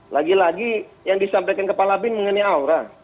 lagi lagi yang disampaikan kepala bin mengenai aura